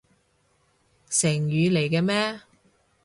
成語嚟嘅咩？